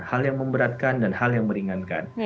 hal yang memberatkan dan hal yang meringankan